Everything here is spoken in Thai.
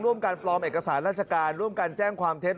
การปลอมเอกสารราชการร่วมกันแจ้งความเท็จ